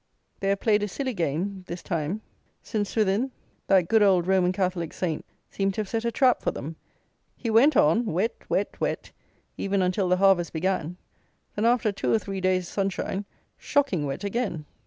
They have played a silly game, this time. Saint Swithin, that good old Roman Catholic Saint, seemed to have set a trap for them: he went on, wet, wet, wet, even until the harvest began. Then, after two or three days' sunshine, shocking wet again.